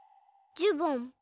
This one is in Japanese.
ジュボン。